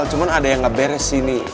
cuma ada yang gak beres sih nih